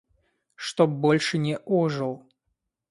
Чтоб больше не ожил.